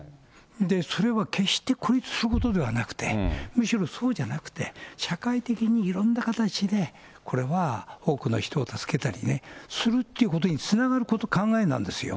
それは決して孤立することではなくて、むしろそうじゃなくて、社会的にいろんな形で、これは多くの人を助けたりするっていうことにつながる考えなんですよ。